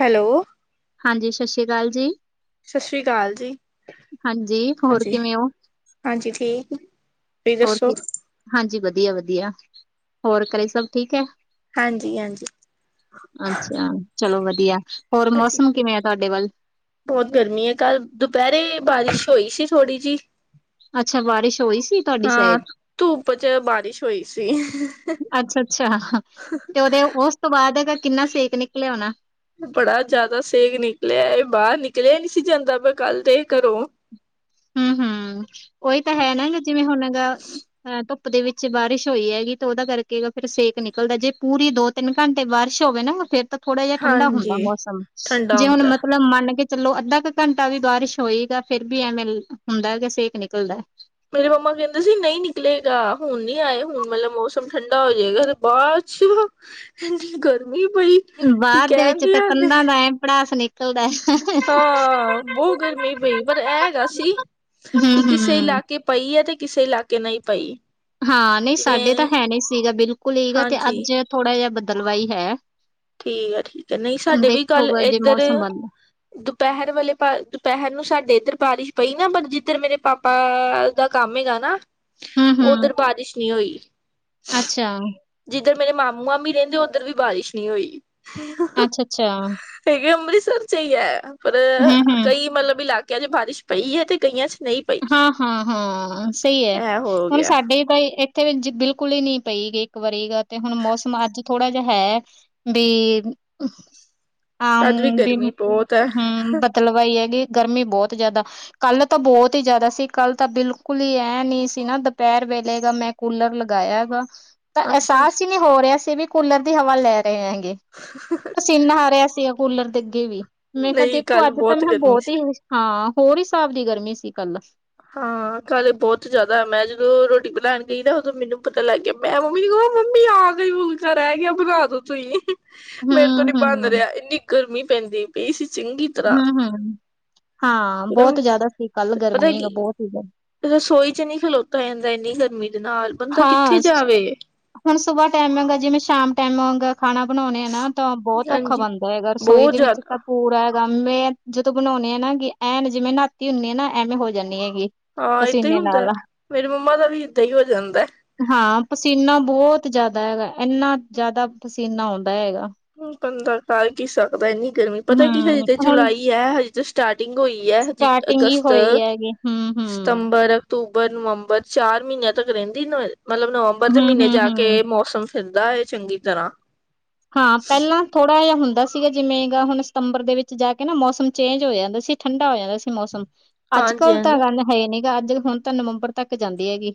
Hello. ਹਾਂਜੀ, ਸਤਿ ਸ਼੍ਰੀ ਅਕਾਲ ਜੀ। ਸਤਿ ਸ੍ਰੀ ਅਕਾਲ ਜੀ। ਹਾਂਜੀ, ਹੋਰ ਹਾਂਜੀ ਕਿਵੇਂ ਹੋ? ਹਾਂਜੀ, ਠੀਕ ਤੁਸੀਂ ਹੋਰ ਦੱਸੋ ਕੀ ਹਾਂਜੀ ਵਧੀਆ, ਵਧੀਆ ਹੋਰ ਘਰੇ ਸਭ ਠੀਕ ਹੈ। ਹਾਂਜੀ ਹਾਂਜੀ ਅੱਛਾ ਚਲੋ ਵਧੀਆ ਹੋਰ ਹਾਂਜੀ ਮੌਸਮ ਕਿਵੇਂ ਆ ਤੁਹਾਡੇ ਵੱਲ ਬਹੁਤ ਗਰਮੀ ਹੈ ਕੱਲ੍ਹ ਦੁਪਹਿਰੇ ਬਾਰਿਸ਼ ਹੋਈ ਸੀ ਥੋੜੀ ਜੀ ਅੱਛਾ ਬਾਰਿਸ਼ ਹੋਈ ਸੀ ਤੁਹਾਡੀ ਹਾਂ ਸਾਈਡ ਧੂਪ ਚ ਬਾਰਿਸ਼ ਹੋਈ ਸੀ। ਅੱਛਾ, ਅੱਛਾ ਤੇ ਉਹਦੇ ਉਸ ਤੋਂ ਬਾਅਦ ਕਿੰਨਾ ਸੇਕ ਨਿਕਲਿਆ ਹੋਣਾ। ਬੜਾ ਜ਼ਿਆਦਾ ਸੇਕ ਨਿਕਲਿਆ ਇਹ ਬਾਹਰ ਨਿਕਲਿਆ ਨਹੀਂ ਸੀ ਜਾਂਦਾ ਪਿਆ ਕੱਲ ਤੇ ਘਰੋਂ ਹਮ, ਹਮ ਉਹੀ ਤਾਂ ਹੈ ਨਾ ਜਿਵੇਂ ਹੁਣ ਹੈਗਾ। ਅਹ ਧੁੱਪ ਦੇ ਵਿੱਚ ਬਾਰਿਸ਼ ਹੋਈ ਹੈਗੀ ਤੇ ਉਹਦਾ ਕਰਕੇ ਫਿਰ ਸੇਕ ਨਿਕਲਦਾ ਜੇ ਪੂਰੀ ਦੋ ਤਿੰਨ ਘੰਟੇ ਬਾਰਿਸ਼ ਹੋਵੇ ਨਾ ਫਿਰ ਤਾਂ ਥੋੜਾ ਜਿਹਾ ਠੰਡਾ ਹੁੰਦਾ ਹਾਂਜੀ ਮੌਸਮ ਠੰਡਾ ਜੇ ਹੁਣ ਹੁੰਦਾ ਮਤਲਬ ਮੰਨ ਕੇ ਚਲੋ ਅੱਧਾ ਕੁ ਘੰਟਾ ਵੀ ਬਾਰਿਸ਼ ਹੋਏਗਾ ਫਿਰ ਵੀ ਐਵੇਂ ਹੁੰਦਾ ਕਿ ਸੇਕ ਨਿਕਲਦਾ ਮੇਰੇ ਮੰਮਾ ਕਹਿੰਦੇ ਸੀ ਨਹੀਂ ਨਿਕਲੇਗਾ ਹੁਣ ਨਹੀ ਆਏ ਹੁਣ ਮਤਲਬ ਮੌਸਮ ਠੰਡਾ ਹੋ ਜਾਏਗਾ। ਬਾਅਦ ਚੋ ਇੰਨੀ ਗਰਮੀ ਪਈ ਕਿ ਬਾਅਦ ਦੇ ਕਹਿਣ ਵਿੱਚ ਦੀ ਤਾਂ ਹੱਦ ਕੰਧਾਂ ਦਾ ਐ ਪੜਾਸ ਨਿਕਲਦਾ ਹਾਂ ਬਹੁਤ ਗਰਮੀ ਪਈ ਪਰ ਇਹ ਹੈਗਾ ਸੀ ਕਿ ਕਿਸੇ ਹੂੰ-ਹੂੰ, ਇਲਾਕੇ ਪਈ ਹੈ ਤੇ ਕਿਸੇ ਇਲਾਕੇ ਨਹੀ ਪਈ ਹਾਂ ਨਹੀਂ ਸਾਡੇ ਤਾਂ ਜਿਵੇਂ ਹੈ ਨਹੀਂ ਸੀਗਾ ਬਿਲਕੁਲ ਹੀਗਾ ਤੇ ਹਾਂਜੀ ਅੱਜ ਥੋੜ੍ਹਾ ਜਿਹਾ ਬਦਲਵਾਈ ਹੈ। ਠੀਕ ਆ ਠੀਕ ਹੈ ਨਹੀਂ ਸਾਡੇ ਵੀ ਕਲ ਐਦਰ ਦੁਪਹਿਰ ਵੇਲੇ, ਦੁਪਹਿਰ ਨੂੰ ਸਾਡੇ ਇੱਧਰ ਬਾਰਿਸ਼ ਪਈ ਨਾ ਪਰ ਜਿੱਧਰ ਮੇਰੇ ਪਾਪਾ ਦਾ ਕੰਮ ਹੈਗਾ ਨਾ, ਓਦਰ ਬਾਰਿਸ਼ ਨੀ ਹੋਈ। ਅੱਛਾ। ਜਿੱਧਰ ਮੇਰੇ ਮਾਮੂ ਮਾਮੀ ਰਹਿੰਦੇ ਓਧਰ ਵੀ ਬਾਰਿਸ਼ ਨੀ ਹੋਈ। ਅੱਛਾ-ਅੱਛਾ। ਹੈਗੇ ਅੰਮ੍ਰਿਤਸਰ ਚ ਹੀ ਐ, ਪਰ ਕਈ ਮਤਲਬ ਇਲਾਕਿਆਂ ਚ ਬਾਰਿਸ਼ ਪਈ ਏ ਤੇ ਕਈਆਂ 'ਚ ਨਈ ਹਾਂ, ਹਾਂ, ਹਾਂ ਸਈ ਐ ਇਹ ਹੋ ਹੁਨ ਗਿਆ ਸਾਡੇ ਤਾਂ ਇੱਕ ਇੱਥੇ ਵੀ ਬਿਲਕੁਲ ਹੀ ਨੀ ਪਈ ਗਈ ਇੱਕ ਵਾਰੀ ਗ ਤੇ ਹੁਣ ਮੌਸਮ ਅੱਜ ਥੋੜਾ ਜਾ ਹੈ ਬੀ [unintelligible] ਤਦ ਵੀ ਗਰਮੀ ਬਹੁਤ ਹੂੰ ਹੈ [unintelligible] ਮਤਲਬ ਏਈ ਹੈ ਕਿ ਗਰਮੀ ਬੋਤ ਜਾਦਾ ਕੱਲ ਤਾਂ ਬੋਤ ਬੋਤ ਈ ਜਾਦਾ ਸੀ ਕੱਲ ਤਾਂ ਬਿਲਕੁਲ ਹੀ ਇਹ ਨੀ ਸੀ ਨਾ ਦੁਪਹਿਰ ਵੇਲੇ ਗ ਮੈਂ ਕੂਲਰ ਲਗਾਇਆ ਹੈਗਾ ਤਾਂ ਅੱਛਾ ਅਹਿਸਾਸ ਹੀ ਨਹੀਂ ਹੋ ਰਿਹਾ ਸੀ ਵੀ ਕੂਲਰ ਦੀ ਹਵਾ ਲੈ ਰਹੇ ਹੈਗੇ, ਪਸੀਨਾ ਆ ਰਿਹਾ ਸੀ। ਕੂਲਰ ਦੇ ਅੱਗੇ ਵੀ, ਮੈਂ ਕਿਹਾ ਨਹੀਂ ਦੇਖੋ ਕੱਲ ਅੱਜ ਤਾਂ ਬਹੁਤ ਮੈਂ ਕਿਹਾ ਗਰਮੀ ਬੋਤ ਸੀ। ਈ ਹਾਂ, ਹੋਰ ਹਿਸਾਬ ਦੀ ਗਰਮੀ ਸੀ ਕੱਲ। ਹਾਂ ਕੱਲ ਬੋਤ ਜਾਦਾ, ਮੈਂ ਜਦੋਂ ਰੋਟੀ ਬਣਾਣ ਗਈ ਨਾ, ਉਦੋਂ ਮੈਨੂੰ ਪਤਾ ਲੱਗ ਗਿਆ ਮੈਂ ਮੰਮੀ ਨੂੰ ਕਵਾਂ ਮੰਮੀ ਆਖਰੀ ਫੁਲਕਾ ਰਹਿ ਗਿਆ ਬਨਾ ਦੋ ਤੁਸੀਂ। ਮੇਰੇ ਤੋਂ ਹੂੰ, ਨੀ ਬੰਨ ਹੂੰ, ਰਿਹਾ, ਇੰਨੀ ਗਰਮੀ ਪੈਂਦੀ ਪਈ ਸੀ ਚੰਗੀ। ਤਰ੍ਹਾਂ ਹੂੰ-ਹੂੰ, ਹਾਂ ਪੂਰਾ ਬੋਤ ਜਾਦਾ ਸੀ ਕੱਲ ਪਤਾ ਗਰਮੀ ਕੀ ਬੋਤ ਈ ਜਾਦਾ। ਰਸੋਈ 'ਚ ਨੀ ਖਲੋਤਾ ਜਾਂਦਾ ਇੰਨੀ ਗਰਮੀ ਦੇ ਨਾਲ। ਬੰਦਾ ਹਾਂ, ਕਿੱਥੇ ਜਾਵੇ ਹੁਣ ਸੁਬਾਹ ਟਾਈਮ ਆਗਾ, ਜਿਵੇਂ ਸ਼ਾਮ ਟਾਈਮ ਹਗਾ। ਖਾਨਾ ਬਣਾਉਣੇ ਆ ਨਾ ਤਾਂ ਬੋਤ ਔਖਾ ਹਾਂਜੀ। ਬਣਦਾ ਹੈਗਾ ਰਸੋਈ ਬਹੁਤ ਦੇ ਵਿੱਚ ਜ਼ਿਆਦਾ ਤਾਂ ਪੂਰਾ ਹੈਗਾ ਮੈਂ ਜਦੋਂ ਬਣਾਉਂਣੀ ਆ ਨਾ ਕਿ ਐਂਨ ਜਿਵੇਂ ਨਹਾਤੀ ਹੁੰਦੀ ਆਂ ਨਾ ਐਵੇਂ ਹੋ ਜਾਂਦੀ ਹੈਗੀ। ਹਾਂ ਏਦਾਂ ਈ ਪਸੀਨੇ ਹੁੰਦਾ, ਨਾਲ ਮੇਰੀ ਮੰਮਾ ਦਾ ਵੀ ਏਦਾਂ ਈ ਹੋ ਜਾਂਦਾ ਐ। ਹਾਂ ਪਸੀਨਾ ਬੋਤ ਜਾਦਾ ਹੈਗਾ, ਏਨਾਂ ਜਾਦਾ ਪਸੀਨਾ ਆਉਂਦਾ ਹੈਗਾ। ਹੁਨ ਬੰਦਾ ਕਰ ਕੀ ਸਕਦਾ, ਇੰਨੀ ਗਰਮੀ ਪਤਾ ਕੀ ਹਜੇ ਹੂੰ ਤੇ ਹੁਣ ਜੁਲਾਈ ਹੈ ਹਜੇ ਤਾਂ ਸਟਾਰਟਿੰਗ ਹੋਈ ਹੈ ਹਜੇ ਸਟਾਰਟਿੰਗ ਹੀ ਅਗਸਤ, ਹੋਈ ਹੈਗੀ ਹੂੰ, ਹੂੰ। ਸਤੰਬਰ ਅਕਤੂਬਰ, ਨਵੰਬਰ ਚਾਰ ਮਹੀਨਿਆਂ ਤੱਕ ਰਹਿੰਦੀ ਮਤਲਬ ਨਵੰਬਰ ਦੇ ਹੂੰ, ਮਹੀਨੇ ਹੂੰ, ਜਾ ਹੂੰ। ਕੇ ਮੌਸਮ ਹੁੰਦਾ ਏ ਚੰਗੀ ਤਰ੍ਹਾਂ। ਹਾਂ ਪਹਿਲਾਂ ਥੋੜ੍ਹਾ ਜਿਹਾ ਹੁੰਦਾ ਸੀ ਸੀਗਾ ਜਿਵੇਂ ਗਾ ਹੁਣ ਸਤੰਬਰ ਦੇ ਵਿੱਚ ਜਾ ਕੇ ਨਾ ਮੌਸਮ ਚੇਂਜ ਹੋ ਜਾਂਦਾ ਸੀ, ਠੰਡਾ ਹੋ ਜਾਂਦਾ ਸੀ ਮੌਸਮ। ਹਾਂਜੀ ਅੱਜ-ਕੱਲ੍ਹ ਤਾਂ ਹਾਂਜੀ ਗੱਲ ਹੈ ਨੀ ਗਾ, ਅੱਜ ਹੁਨ ਤਾਂ ਨਵੰਬਰ ਤੱਕ ਜਾਂਦੀ ਹੈਗੀ।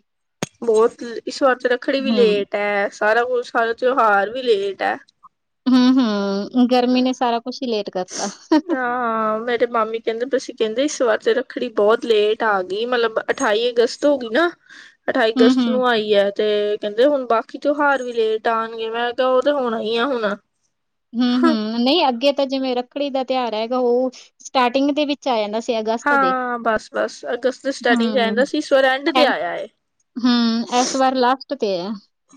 ਬੋਤ ਇਸ ਵਾਰ ਤੇ ਰੱਖੜੀ ਵੀ ਹੂੰ, ਲੇਟ ਐ, ਸਾਰਾ ਕੁਛ ਸਾਰਾ ਤਿਉਹਾਰ ਵੀ ਲੇਟ ਐ। ਹੂੰ-ਹੂੰ, ਗਰਮੀ ਨੇ ਸਾਰਾ ਕੁਛ ਹੀ ਲੇਟ ਕਰਤਾ। ਹਾਂ ਮੇਰੇ ਮਾਮੀ ਕਹਿੰਦੇ ਪਏ ਸੀ ਕਹਿੰਦੇ ਇਸ ਵਾਰ ਤੇ ਰੱਖੜੀ ਬੋਤ ਲੇਟ ਆ ਗਈ ਮਤਲਬ ਅਠਾਈ ਅਗਸਤ ਹੋ ਗਈ ਨਾ, ਅਠਾਈ ਹੂੰ, ਅਗਸਤ ਹੂੰ। ਨੂੰ ਆਈ ਐ। ਤੇ ਕਹਿੰਦੇ ਹੁਨ ਬਾਕੀ ਤਿਉਹਾਰ ਵੀ ਲੇਟ ਆਨਗੇ, ਮੈਂ ਕਿਹਾ ਓ ਤੇ ਹੋਣਾ ਈ ਐ ਹੁਨ। ਹੂੰ-ਹੂੰ, ਨਈ ਅੱਗੇ ਤੇ ਜਿਵੇਂ ਰੱਖੜੀ ਦਾ ਤਿਉਹਾਰ ਹੈਗਾ, ਓ ਸਟਾਰਟਿੰਗ ਦੇ ਵਿੱਚ ਆ ਜਾਂਦਾ ਸੀਗਾ ਅਗਸ ਹਾਂ ਬਸ-ਬਸ, ਅਗਸਤ ਦੇ ਸਟਾਰਟਿੰਗ 'ਚ ਆ ਹੂੰ, ਜਾਂਦਾ ਸੀ, ਇਸ ਵਾਰ ਐਂਡ ਤੇ ਐ ਆਇਆ ਏ। ਹੂੰ, ਏਸ ਵਾਰ ਲਾਸਟ ਤੇ ਐ।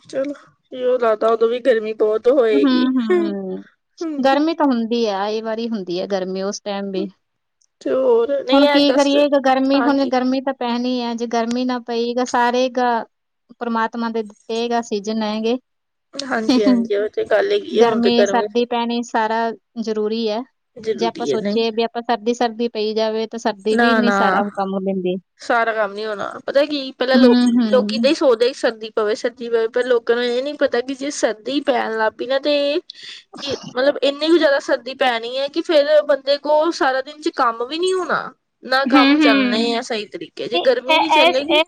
ਚੱਲੋ, ਓਇਓ ਲੱਗਦਾ ਉਦੋਂ ਵੀ ਗਰਮੀ ਬੋਤ ਹੂੰ-ਹੂੰ, ਗਰਮੀ ਤਾਂ ਹੁੰਦੀ ਐ, ਆਈ ਵਰੀ ਹੁੰਦੀ ਹੈ ਗਰਮੀ ਉਸ ਟਾਈਮ ਵੀ, ਤੇ ਹੋਰ ਨਹੀਂ ਹੁਨ ਇਹ ਕੀ ਅਗਸਤ ਕਰੀਏ, ਗਰਮੀ ਹੁਨ ਹਾਂਜੀ ਗਰਮੀ ਤਾਂ ਪੈਨੀ ਐ, ਜੇ ਗਰਮੀ ਨਾ ਪਈ ਤਾਂ ਸਾਰੇ ਅਗਾਂ ਪਰਮਾਤਮਾ ਦੇ ਦਿੱਤੇ ਗ ਸੀਜਨ ਹੈਗੇ। ਹਾਂਜੀ-ਹਾਂਜੀ, [unintelligible] ਗਰਮੀ-ਸਰਦੀ ਪੈਨੀ ਸਾਰਾ ਜ਼ਰੂਰੀ ਐ ਜੇ ਆਪਾਂ ਜ਼ਰੂਰੀ ਹੈ ਨਹੀਂ ਸੋਚੀਏ ਵੀ ਤਾ ਸਰਦੀ-ਸਰਦੀ, ਪਈ ਜਾਵੇ ਤਾਂ ਸਰਦੀ ਵੀ ਨਾ ਨੀ ਨਾ ਸਾਰਾ ਕੰਮ ਲੈਂਦੀ। ਸਾਰਾ ਕੰਮ ਨੀ ਹੋਨਾਂ, ਪਤਾ ਐ ਕੀ, ਪਹਿਲਾਂ ਹੂੰ ਲੋਕ, ਲੋਕੀ ਹੂੰ ਨੀ ਸੋਚਦੇ ਸੀ ਸਰਦੀ ਪਵੇ ਸਰਦੀ ਪਵੇ, ਪਰ ਲੋਕਾਂ ਨੂੰ ਇਹ ਨੀ ਪਤਾ ਕਿ ਜੇ ਸਰਦੀ ਪੈਣ ਲੱਗਪੀ ਨਾ, ਤੇ ਕਿ, ਮਤਲਬ ਇੰਨੀ ਵੀ ਜ਼ਿਆਦਾ ਸਰਦੀ ਪੈਣੀ ਏ ਕਿ, ਫੇਰ ਬੰਦੇ ਕੋਲ ਸਾਰਾ ਦਿਨ'ਚ ਕੰਮ ਵੀ ਨੀ ਹੋਣਾ। ਨਾ ਹੂੰ ਕੰਮ ਹੂੰ ਚੱਲਣੇ ਆ ਸਹੀ ਤਰੀਕੇ, ਜੇ ਗਰਮੀ ਨਹੀਂ ਇਸ ਚੱਲੇੇਗੀ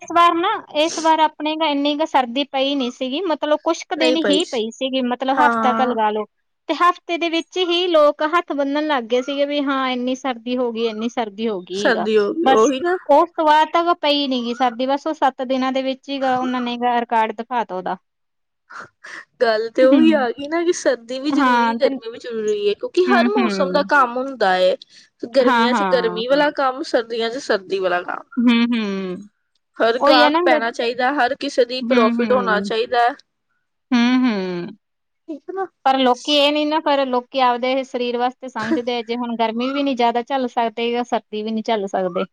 ਆਪਣੀ ਇੰਨੀ ਕ ਸਰਦੀ ਪਈ ਨੀ ਸੀਗੀ, ਮਤਲਬ ਕੁਛ ਕ ਦਿਨ ਹੀ ਪਈ ਸੀਗੀ, ਮਤਲਬ ਹਫ਼ਤਾ ਕ ਹਾਂ ਲਗਾਲੋ। ਤੇ ਹਫ਼ਤੇ ਦੇ ਵਿੱਚ ਹੀ ਲੋਕ ਹੱਥ ਬੰਨਣ ਲੱਗ ਗਏ ਸੀਗੇ, ਵੀ, ਹਾਂ। ਇੰਹਨੀ ਸਰਦੀ ਹੋਗੀ, ਇੰਨੀ ਸਰਦੀ ਹੋਗੀ। ਕੀ ਏਗਾ, ਸਰਦੀ ਹੋ ਗਈ ਬਸ ਉਹੀ ਨਾ ਉਹ ਇੱਸ ਵਾਰ ਤਾਂ ਪਈ ਨੀ ਗੀ ਸਰਦੀ ਬਸ, ਉਹ ਸੱਤ ਦਿਨਾਂ ਦੇ ਵਿੱਚ ਹੀ ਉਹਨਾਂ ਨੇ ਰਿਕਾਰਡ ਦਿਖਾਤਾ, ਉਹਦਾ। [inaudible] ਗੱਲ ਤੇ ਉਹੀ ਆਗੀ ਨਾ, ਕਿ ਸਰਦੀ ਵੀ ਜ਼ਰੂਰੀ ਹਾਂ ਏ, ਤੇ ਗਰਮੀ ਵੀ ਜ਼ਰੂਰੀ ਏ, ਕੁ ਕਿ ਹੂੰ ਹਰ ਮੌਸਮ ਦਾ ਹੂੰ ਕੰਮ ਹੁੰਦਾ ਏ, ਹਾਂ ਗਰਮੀਆਂ'ਚ ਹਾਂ ਗਰਮੀ ਵਲਾ ਕੰਮ, ਸਰਦੀਆਂ'ਚ ਸਰਦੀ ਵਾਲਾ ਕੰਮ। ਹੂੰ, ਹੂੰ, ਹਰ ਓਹੀ ਆ ਨਾ ਗਾਹਕ ਫਿਰ ਪੈਣਾ ਚਾਹੀਦਾ। ਹਰ ਕਿਸੇ ਦੀ ਪ੍ਰੋਫਿਟ ਹੋਣਾ ਚਾਹੀਦਾ। ਹੂੰ, ਹੂੰ ਠੀਕ ਨਾ। ਪਰ ਲੋਕੀ ਇਹ ਨੀ ਨਾ, ਪਰ ਲੋਕੀ ਆਪਦੇ ਇਹ ਸਰੀਰ ਵਾਸਤੇ ਸਮਝਦੇ, ਜੇ ਹੁਣ ਗਰਮੀ ਵੀ ਨੀ ਜ਼ਿਆਦਾ ਝੱਲ ਸਕਦੇ, ਯਾ ਸਰਦੀ ਵੀ ਨਹੀ ਝੱਲ ਸਕਦੇ।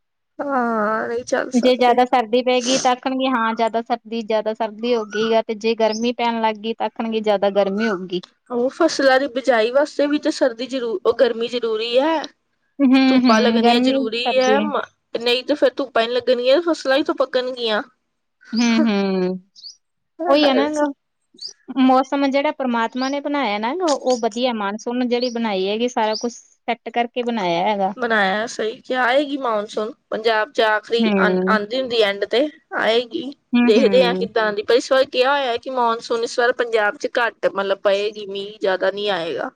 ਹਾਂ ਨਹੀਂ ਚੱਲ ਜੇ ਸਕਦੇ ਜਿਆਦਾ ਸਰਦੀ ਪਏਗੀ ਤਾਂ ਆਖਣਗੇ ਹਾਂ ਜ਼ਿਆਦਾ ਸਰਦੀ, ਜਿਆਦਾ ਸਰਦੀ ਹੋਗੀ ਯਾ, ਤੇ ਜੇ ਗਰਮੀ ਪੈਣ ਲੱਗ ਗਈ, ਤਾਂ ਆਖਣਗੇ ਜ਼ਿਆਦਾ ਗਰਮੀ ਹੋਗੀ। ਉਹ ਫਸਲਾਂ ਦੀ ਬਿਜਾਈ ਵਾਸਤੇ ਵੀ ਤਾ ਸਰਦੀ ਜ਼ਰੂ, ਉਹ ਗਰਮੀ ਜ਼ਰੂਰੀ ਐ। ਧੁੱਪਾਂ ਹੂੰ-ਹੂੰ ਲੱਗਣੀਆਂ ਗਰਮੀ ਜ਼ਰੂਰੀ ਐ, ਸਰਦੀ ਮ ਨਹੀਂ ਤੇ ਫੇਰ ਧੁੱਪਾਂ ਨੀ ਲੱਗਣਗੀਆਂ, ਫਸਲਾਂ ਕਿੱਥੋਂ ਪੱਕਣਗੀਆਂ। ਹੂੰ, ਹੂੰ, ਓਈ ਨਾ ਹਰ ਹੈਗਾ। ਮੌਸਮ ਜਿਹੜਾ ਪਰਮਾਤਮਾ ਨੇ ਬਣਾਇਆ ਨਾ ਉਹ ਵਧੀਆ, ਮਾਨਸੂਨ ਜਿਹੜੀ ਬਣਾਈ ਹੈਗੀ ਸਾਰਾ ਕੁਛ ਸੈੱਟ ਕਰਕੇ ਬਣਾਇਆ ਐ। ਬਣਾਇਆ ਸਹੀ ਕਿਆ, ਆਏਗੀ ਮੌਨਸੂਨ ਪੰਜਾਬ'ਚ ਆਖਰੀ ਅੰਨ, ਅੰਨ ਹੁੰਦੀ ਐਂਡ ਤੇ, ਆਏਗੀ। ਦੇਖਦੇ ਆਂ, ਹੂੰ-ਹੂੰ-ਹੂੰ-ਹੂੰ ਕਿੱਦਾਂ ਆਂਦੀ ਪਰ ਸਵਾਈ ਕਿਆ ਹੋਇਆ, ਕਿ ਮੌਨਸੂਨ ਇਸ ਵਾਰ ਪੰਜਾਬ'ਚ ਘੱਟ ਮਤਲਬ ਪਏਗੀ ਮੀਂਹ, ਜ਼ਿਆਦਾ ਨਹੀਂ ਆਇਗਾ।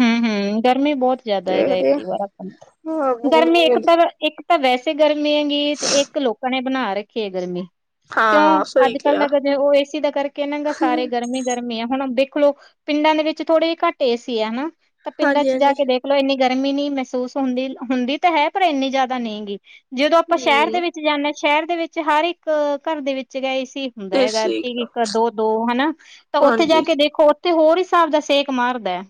ਹੂੰ, ਹੂੰ, ਗਰਮੀ ਬਹੁਤ ਜਿਆਦਾ ਹੈਗਾ ਦੇਖਦੇ ਐਤਕੀ ਵਾਰ ਆਪਾ ਹਾਂ ਨੁੰ, ਬੂੰਦ ਗਰਮੀ ਇੱਕ ਬੂੰਦ ਤਾਂ ਇੱਕ ਤਾਂ ਵੈਸੇ ਗਰਮੀ ਹੈਗੀ, ਤੇ ਇੱਕ ਲੋਕਾਂ ਨੇ ਬਣਾ ਰੱਖੀ ਏ, ਗਰਮੀ। ਕਿਉਂ ਹਾਂ ਸਹੀ ਅੱਜ-ਕੱਲ ਦੇ ਕਿਹਾ ਬੰਦੇ, ਉਹ ਏਸੀ ਦਾ ਕਰਕੇ ਇਹਨਾਂ ਗਾ ਸਾਰੇ ਗਰਮੀ ਗਰਮੀ ਹੈ ਹੁਣ ਦੇਖਲੋ, ਪਿੰਡਾਂ ਦੇ ਵਿੱਚ ਥੋੜੇ ਜਿਹੇ ਘੱਟੇ ਏਸੀ ਆ ਨਾ, ਤਾਂ ਹਾਂਜੀ ਪਿੰਡਾਂ'ਚ ਹਾਂਜੀ ਜਾਕੇ ਦੇਖ ਦੇਖਲੋ ਇੰਨੀ ਗਰਮੀ ਨੀ ਮਹਿਸੂਸ ਹੁੰਦੀ, ਹੁੰਦੀ ਤਾਂ ਹੈ ਪਰ ਇੰਨੀ ਜ਼ਿਆਦਾ ਨਹੀਂ ਗੀ, ਜਦੋਂ ਆਪਾਂ ਸ਼ਹਿਰ ਦੇ ਹਮ ਵਿੱਚ ਜਿੱਥੇ ਜ਼ਾਂਨੇ ਆ, ਸ਼ਹਿਰ ਦੇ ਵਿੱਚ ਹਰ ਇੱਕ, ਘਰ ਦੇ ਵਿੱਚ ਗੇ ਏਸੀ। ਹੁੰਦਾ ਹੈਗਾ, ਏਸੀ ਇੱਕ, ਦੋ-ਦੋ ਹਨਾ, ਤਾਂ ਉੱਥੇ ਹਾਂਜੀ ਜਾਕੇ ਦੇਖੋ ਤੇ, ਹੋਰ ਹਿਸਾਬ ਦਾ ਸੇਕ ਮਾਰਦੈ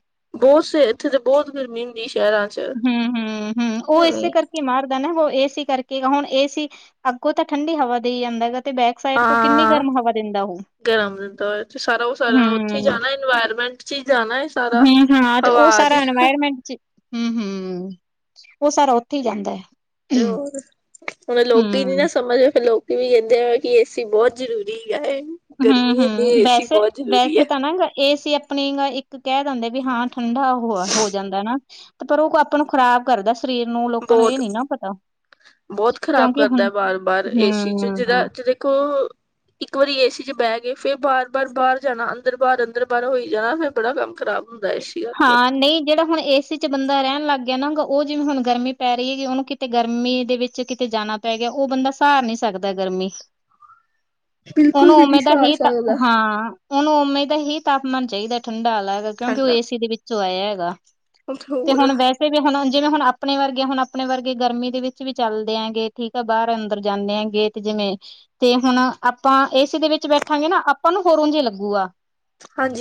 ਬਹੁ, ਸਵੇ ਇੱਥੇ ਤੇ ਬਹੁਤ ਗਰਮੀ ਹੁੰਦੀ, ਸ਼ਹਿਰਾਂ'ਚ। ਹੂੰ, ਹੂੰ, ਹੂੰ, ਉਹ ਇਸੇ ਕਰਕੇ ਮਾਰਦਾ ਨਾ, ਉਹ ਏਸੀ ਕਰਕੇ, ਹੁਣ ਏਸੀ ਅੱਗੋਂ ਤਾਂ ਠੰਡੀ ਹਵਾ ਦੇਈ ਜਾਂਦਾ ਤੇ ਬੈਕ ਸਾਈਡ ਤੋਂ ਕਿੰਨੀ ਹਾਂ ਗਰਮ ਹਵਾ ਦਿੰਦਾ, ਉਹ ਗਰਮ ਦਿੰਤਾ ਹੋਇਆ ਸਾਰਾ, ਉਹ ਸਾਰਾ ਉੱਥੇ ਹੀ ਹੂੰ, ਜਾਣਾ, ਇਨਵਾਇਰਮੈਂਟ'ਚ ਹੀ ਜਾਣਾ ਏ ਸਾਰਾ। ਹੂੰ ਹਾਂ, ਤੇ ਉਹ ਹਵਾ ਸਾਰਾ ਚ ਇਨਵਾਇਰਮੈਂਟ'ਚ ਹੂੰ, ਹੂੰ, ਉਹ ਸਾਰਾ ਉੱਥੇ ਹੀ ਜਾਂਦਾ ਹੈ। ਤੇ ਹੂੰ, ਹੋਰ, ਹੁਣ ਲੋਕੀ ਨੀ ਨਾ ਸਮਝਦੇ, ਫਿਰ ਲੋਕ ਵੀ ਕਹਿੰਦੇ ਆ, ਕਿ ਏਸੀ ਬਹੁਤ ਜ਼ਰੂਰੀ ਆ ਇਹ। ਹੂੰ, ਹੂੰ ਵੈਸੇ, ਵੈਸੇ ਤਾਂ ਨਾ ਏਸੀ ਆਪਣੀ ਇੱਕ ਕਹਿਦੰਦੇ ਵੀ ਹਾਂ ਠੰਢਾ ਹੋ, ਹੋ ਜਾਂਦਾ ਨਾ, ਤੇ ਪਰ ਉਹ ਆਪਾਂ ਨੂੰ ਖ਼ਰਾਬ ਕਰਦਾ ਸਰੀਰ ਨੂੰ, ਲੋਕਾਂ ਨੂੰ ਇਹ ਬਹੁਤ ਨੀ ਨਾ ਪਤਾ। ਬਹੁਤ ਖ਼ਰਾਬ ਕਿਉਂਕਿ ਹੁਣ ਕਰਦਾ ਬਾਰ-ਬਾਰ, ਏਸੀਚ ਹੂੰ ਜਿਦਾ ਜ ਦੇਖੋ ਇੱਕ ਵਾਰੀ ਏਸੀ ਚ ਬਹਿ ਗਏ ਫੇਿਰ ਬਾਰ, ਬਾਰ ਬਾਹਰ ਜਾਣਾ, ਅੰਦਰ ਬਾਹਾਰ, ਅੰਦਰ ਬਾਹਰ, ਹੋਈ ਜਾਣਾ ਫੇਿਰ ਬੜਾ ਕੰਮ ਖ਼ਰਾ ਹਾਂ ਨਹੀਂ। ਜਿਹੜਾ ਹੁਣ ਏ ਸੀ ਚ ਬੰਦਾ ਰਹਿ ਲੱਗ ਗਿਆ ਨਾਾ ਉਹ ਜਿਵੇਂ ਹੁਣ ਗਰਮੀ ਪੈ ਰਹੀ ਹੈਗੀ ਉਹਨੂੰ ਕਿਤੇ ਗਰਮੀ ਦੇ ਵਿੱਚ ਕਿਤੇ ਜਾਣਾ। ਪੈ ਗਿਆ ਉਹ ਬੰਦਾ ਸਾਰ ਨਹੀਂ ਸਕਦਾ ਗਰਮੀ। ਬਿਲਕੁਲ ਉਹਨੂੰ ਵੀ ਨਹੀਂ ਉਵੇਂ ਦਾ ਸਾਹ ਹੀ ਤਾਂ ਸਕਦਾ ਹਾਂ। ਉਹਨੂੰ ਉਵੇਮੀ ਦਾ ਹੀ ਤਾਪਮਾਨ ਚਾਹੀਦਾ ਠੰਡਾ ਵਾਲਾ ਹੈ ਕਿਉਂਕਿ ਉਹ ਠੰਡਾ ਏ ਸੀ ਦੇ ਵਿੱਚੋਂ ਆਇਆ ਹੈਗਾ। ਤੇ ਹੋਰ ਹੁਣ ਵੈਸੇ। ਜਿਵੇ ਵੀ ਹੁਣ ਜਿਵੇਂ ਹੁਣ ਆਪਣੇ ਵਰਗੇ ਹੁਣ ਆਪਣੇ ਵਰਗੇ ਗਰਮੀ ਦੇ ਵਿੱਚ ਵੀ ਚੱਲਦੇ ਆਂਗੇ ਠੀਕ ਆ ਬਾਹਰ ਅੰਦਰ ਜਾਂਦੇ ਆਂਗ ਤੇ ਜਿਵੇਂ ਤੇ ਹੁਣ ਆਪਾਂ ਏਸੀ ਦੇ ਵਿੱਚ ਬੈਠਾਂਗੇ ਨਾ ਆਪਾਂ ਨੂੰ ਹੋਰ ਉਝੇ ਲੱਗੂਗਾ।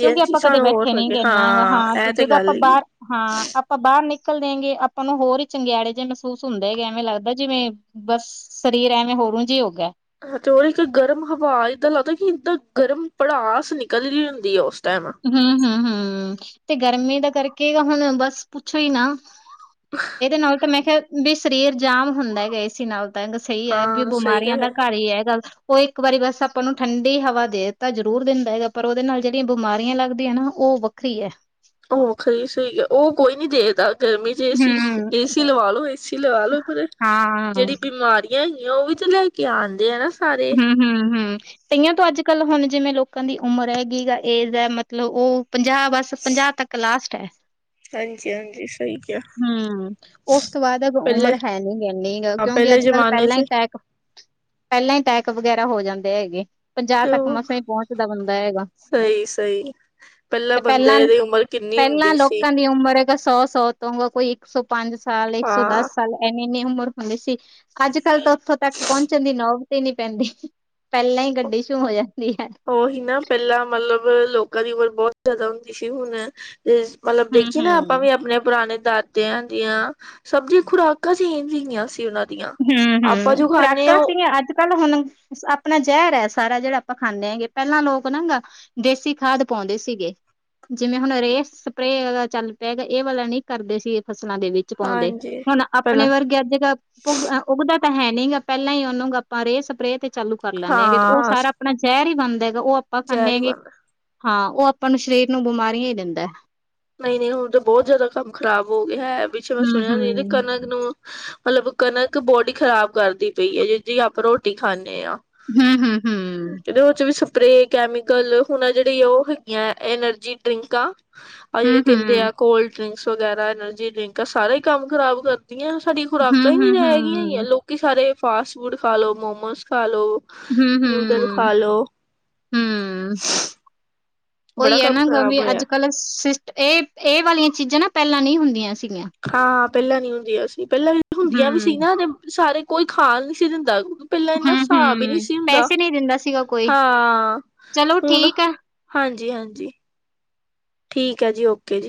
ਕਿਉਂਕਿ ਆਪਾਂ ਕਦੇ ਸਾਨੂੰ ਹੋਰ ਬੈਠੇ ਨਹੀਂ ਲੱਗੇ ਕਹਨਾ ਹੈਗਾ ਹਾਂ ਤੇ ਇਹ ਜਦੋਂ ਗੱਲ ਆਪਾਂ ਹੈਗੀ ਹੈ। ਬਾਹਰ। ਹਾਂ ਆਪਾਂ ਬਾਹਰ ਨਿਕਲ ਦੇਗੇ ਆਪਾਂ ਨੂੰ ਹੋਰ ਹੀ ਚੰਗਿਆੜੇ ਜਿਹੇ ਮਹਿਸੂਸ ਹੁੰਦੇ ਹੈ ਐਵੇਂ ਲੱਗਦਾ ਜਿਵੇਂ। ਬਸ ਸਰੀਰ ਐਵੇਂ ਹੋਰੋਂ ਜ ਹੋ ਗਿਆ। ਹ ਤੇ ਉਹਰ ਇੱਕ ਗਰਮ ਹਵਾ ਏਦਾਂ ਲੱਗਦਾ ਕੀ ਏਦਾਂ ਗਰਮ ਪੜਾਸ ਨਿਕਲਦੀ ਹੁੰਦੀ ਆ ਉਸ ਟਾਈਮ ਹਮ, ਹਮ, ਹਮ ਤੇ ਗਰਮੀ ਦਾ ਕਰਕੇ ਹੁਣ ਬਸ ਪੁੱਛੋ ਹੀ ਨਾ ਇਹਦੇ ਨਾਲ ਤਾਂ ਮੈਂ ਕਿਹਾ ਵੀ ਸਰੀਰ ਜਾਮ ਹੁੰਦਾ ਗਿਆ ਏਸੀ ਨਾਲ ਤਾਂ ਸਹੀ ਹੈ ਵੀ ਹਾਂ ਸਹੀ ਬਿਮਾਰੀਆਂ ਕਿਹਾ ਦਾ ਵੈਸੇ ਘਰ ਹੀ ਹੈ ਗੱਲ ਉਹ ਇੱਕ ਵਾਰੀ ਬਸ ਆਪਾਂ ਨੂੰ ਠੰਡੀ ਹਵਾ ਦੇ ਤਾਂ ਜ਼ਰੂਰ ਦਿੰਦਾ ਹੈਗਾ ਪਰ ਉਹਦੇ ਨਾਲ ਜਿਹੜੀਆਂ ਬਿਮਾਰੀਆਂ ਲੱਗਦੀਆਂ ਨਾ ਉਹ ਵੱਖਰੀ ਹੈ। ਉਹ ਖਰੀ ਸਹੀ ਹੈ ਉਹ ਕੋਈ ਨੀ ਦੇਖਦਾ ਗਰਮੀ ਚ ਏਸੀ ਹੂੰ ਏਸੀ ਲਵਾ ਲੋ ਏ ਸੀ ਲਵਾ ਲਓ ਪਰ ਹਾਂ ਜਿਹੜੀ ਬਿਮਾਰੀਆਂ ਹੈਗੀਆਂ ਉਹ ਵੀ ਤੇ ਲੈ ਕੇ ਆਉਂਦੇ ਆ ਨਾ ਸਾਰੇ ਹਮ- ਹਮ- ਹਮ ਕਈਆਂ ਤੋਂ ਅੱਜ ਕੱਲ ਹੁਣ ਜਿਵੇਂ ਲੋਕਾਂ ਦੀ ਉਮਰ ਹੈਗੀ ਗ ਏਜ ਹੈ ਮਤਲਬ ਉਹ ਪੰਜਾਹ ਬਸ ਪੰਜਾਹ ਤੱਕ ਲਾਸਟ ਹੈ। ਹਾਂਜੀ ਹਾਂਜੀ ਸਹੀ ਕਿਹਾ ਹੂੰ ਉਸ ਤੋਂ ਬਾਅਦ ਅ ਪਹਿਲੇ ਉਮਰ ਹੈ ਨੀ ਪਹਿਲੀ ਗਲ ਹਾਂ ਕਿਉਂਕਿ ਪਹਿਲੇ ਅੱਜ ਕੱਲ ਜ਼ਮਾਨੇ ਪਹਿਲਾਂ ਹੀ ਚ ਅਟੈਕ ਪਹਿਲਾਂ ਹੀ ਅਟੈਕ ਵਗੈਰਾ ਹੋ ਜਾਂਦੇ ਹੈਗੇ ਪੰਜਾਹ ਤੇ ਤੱਕ ਉਹ ਮਸੇ ਪਹੁੰਚਦਾ ਬੰਦਾ ਹੈਗਾ ਸਹੀ ਸਹੀ ਤੇ ਪਹਿਲਾਂ ਬੰਦੇ ਦੀ ਉਮਰ ਕਿੰਨੀ ਪਹਿਲਾਂ ਹੁੰਦੀ ਸੀ ਲੋਕਾਂ ਦੀ ਉਮਰ ਸੌ ਸੌ ਤੋਂਗਾ ਕੋਈ ਇੱਕ ਸੌ ਪੰਜ ਸਾਲ ਇੱਕ ਸੌ ਹਾਂ ਦਸ ਸਾਲ ਇੰਨੀ- ਇੰਨੀ ਉਮਰ ਹੁੰਦੀ ਸੀ ਅੱਜ ਕਲ ਤਾਂ ਉੱਥੋਂ ਤੱਕ ਪਹੁੰਚਣ ਦੀ ਨੌਬਤ ਨੌਬਤ ਨੀ ਪੈਂਦੀ ਪਹਿਲਾਂ ਹੀ ਗੱਡੀ ਸ਼ੂ ਹੋ ਜਾਂਦੀ ਹੈ। ਉਹੀ ਨਾ ਪਹਿਲਾਂ ਮਤਲਬ ਲੋਕਾਂ ਦੀ ਉਮਰ ਬਹੁਤ ਜ਼ਿਆਦਾ ਹੁੰਦੀ ਸੀ ਹੁਣ ਤੇ ਮਤਲਬ ਹੂੰ, ਦੇਖੀਏ ਨਾ ਆਪਾਂ ਹੂੰ। ਵੀ ਆਪਣੇ ਪੁਰਾਣੇ ਦਾ ਤੇਆਂ ਦੀਆਂ ਸਭ ਦੀ ਖੁਰਾਕਾਂ ਚੇਂਜ ਹੀਆਂ ਸੀ ਉਹਨਾਂ ਦੀ ਹਮ-ਹਮ ਖੁਰਾਕਾਂ ਸਿਆ ਅੱਜ ਪਹਿਲ ਹੁਣ ਆਪਣਾ ਜ਼ਹਿਰ ਹੈ ਸਾਰਾ ਜਿਹੜਾ ਆਪਾਂ ਖਾਂਦੇ ਹੈਗੇ ਪਹਿਲਾਂ ਲੋਕ ਨਾ ਗ ਦੇਸੀ ਖਾਦ ਪਾਉਂਦੇ ਸੀਗੇ ਜਿਵੇਂ ਹੁਣ ਰੇ ਸਪਰੇਅ ਚੱਲ ਪਏਗਾ ਇਹ ਵਾਲਾ ਨਹੀਂ ਕਰਦੇ ਸੀਗੇ ਫਸਲਾਂ ਦੇ ਵਿੱਚ ਪਾਉਂਦੇ ਹਾਂਜੀ ਹੁਣ ਆਪਣੇ ਪਹਿਲਾਂ ਵਰਗੇ ਅੱਜ ਕਲ ਉਗਦਾ ਤਾਂ ਹੈ ਨੀ ਗਾ ਪਹਿਲਾਂ ਹੀ ਉਹਨੂੰ ਆਪਾਂ ਰੇਹ ਸਪਰੇ ਤੇ ਚਾਲੂ ਕਰ ਲੈਂਦੇ ਹਾਂਗੇ ਤੇ ਉਹ ਹਾਂ ਸਾਰਾ ਆਪਣਾ ਜ਼ਹਿਰ ਹੀ ਬਣਦਾ ਹੈਗਾ ਉਹ ਆਪਾਂ ਖਾਂਦੇ ਜ਼ਹਿਰ ਹੀ ਆਂਗੇ ਬਣਦਾ ਹਾਂ ਉਹ ਆਪਾਂ ਨੂੰ ਸਰੀਰ ਨੂੰ ਬਿਮਾਰੀਆਂ ਹੀ ਦਿੰਦਾ ਨਹੀਂ ਨਹੀਂ ਹੁਣ ਤਾਂ ਬਹੁਤ ਜ਼ਿਆਦਾ ਕੰਮ ਖ਼ਰਾਬ ਹੋ ਗਿਆ ਹੈ ਪਿੱਛੇ ਮੈਂ ਸੁਣਿਆ ਨਹੀਂ ਤੇ ਹੂੰ-ਹੂੰ, ਕਣਕ ਨੂੰ ਮਤਲਬ ਕਣਕ ਬੋਡੀ ਖ਼ਰਾਬ ਕਰਦੀ ਪਈ ਹੈ ਜਿ ਜ ਆਪਾਂ ਰੋਟੀ ਖਾਂਦੇ ਹਾਂ ਹੂੰ, ਹੂੰ, ਹੂੰ ਕਦੇ ਉਹ ਚ ਵੀ ਸਪਰੇ ਕੈਮੀਕਲ ਹੁਣ ਜਿਹੜੀ ਆ ਉਹ ਹੈਗੀੀਆਂ ਐਨਰਜੀ ਡਰਿੰਕ ਆ ਆਹ ਜਿਹੜੇ ਕਹਿੰਦੇ ਆ ਹੂੰ-ਹੂੰ, ਕੋਲਡ ਡਰਿੰਕਸ ਵਗੈਰਾ ਐਨਰਜੀ ਡਰਿੰਕ ਆ ਸਾਰਾ ਹੀ ਕੰਮ ਖਰਾਬ ਕਰ ਆਂ ਸਾਡੀਆਂ ਖੁਰਾਕਾਂ ਹੀ ਨਹੀਂ ਤਾਂ ਹੈਗੀਆਂ ਹੀ ਆ ਹੂੰ-ਹੂੰ, ਲੋਕੀ ਸਾਰੇ ਫਾਸਟ ਫੂਡ ਖਾ ਲੋ ਮੋਮੋਸ ਖਾ ਲੋ ਨਿਊਡਲ ਖਾ ਲੋ ਹਮ ਬੜਾ ਉਹੀ ਹੈ ਕੰਮ ਨਾ ਗ ਵੀ ਖ਼ਰਾਬ ਅੱਜ ਹੋਇਆ ਕੱਲ ਮਤਲਬ ਸਿਸ ਇਹ, ਇਹ ਵਾਲੀਆਂ ਚੀਜ਼ਾਂ ਨਾ ਪਹਿਲਾਂ ਨਈ ਹੁੰਦੀਆਂ ਸੀਗੀਆਂ ਹਾਂ ਪਹਿਲਾਂ ਨੀ ਹੁੰਦੀਆਂ ਸੀ ਪਹਿਲਾਂ ਵੀ ਹੁੰਦੀਆਂ ਵੀ ਸੀ ਹੂੰ। ਨਾ ਤੇ ਸਾਰੇ ਕੋਈ ਖਾ ਨੀ ਸੀ ਦਿੰਦਾ ਪਹਿਲਾਂ ਇੰਨਾ ਹੂੰ, ਹਿਸਾਬ ਹੀ ਨਹੀਂ ਹੂੰ ਸੀ ਹੁੰਦਾ ਪੈਸੇ ਨਹੀਂ ਦਿੰਦਾ ਸੀਗਾ ਕੋਈ, ਹਾਂ ਚਲੋ ਹੁਣ ਠੀਕ ਹੈ। ਹਾਂਜੀ- ਹਾਂਜੀ ਠੀਕ ਹੈ ਜੀ ਓਕੇ ਜੀ।